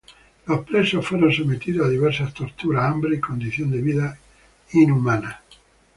Los presos fueron sometidos a diversas torturas, hambre y condiciones de vida inhumanas.